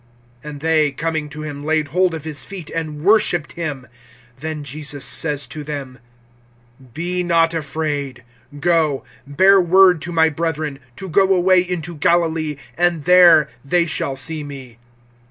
And they, coming to him, laid hold of his feet, and worshiped him. (10)Then Jesus says to them: Be not afraid; go, bear word to my brethren, to go away into Galilee, and there they shall see me.